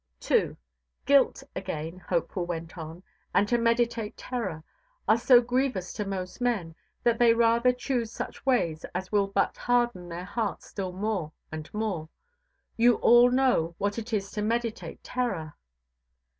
2. Guilt, again, Hopeful went on, and to meditate terror, are so grievous to most men, that they rather choose such ways as will but harden their hearts still more and more. You all know what it is to meditate terror?